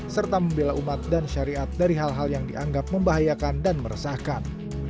serta membela umat dan syariat dari hal hal yang dianggap membahayakan dan meresahkan